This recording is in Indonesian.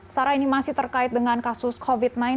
sarah ini masih terkait dengan kasus covid sembilan belas